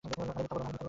আরে, মিথ্যা বলো না।